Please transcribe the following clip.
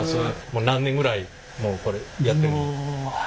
もう何年ぐらいもうこれやってる？